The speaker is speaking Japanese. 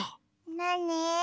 なに？